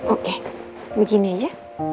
oke begini aja